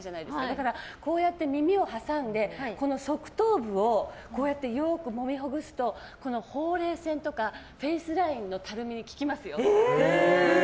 だから、こうやって耳を挟んで側頭部をよくもみほぐすとほうれい線とかフェイスラインのたるみにへえ！